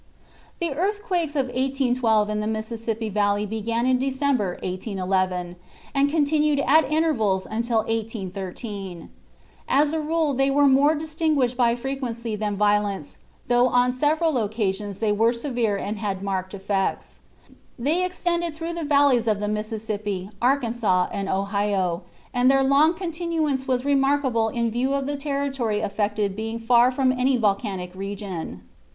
The earthquakes of 1812 in the Mississippi Valley began in December, 1811, and continued at intervals until 1813. As a rule they were more distinguished by frequency than violence, though on several occasions they were severe and had marked effects. They extended through the valleys of the Mississippi, Arkansas and Ohio, and their long continuance was remarkable in view of the territory affected being far from any volcanic region.